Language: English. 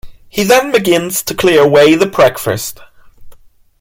He then begins to clear away the breakfast.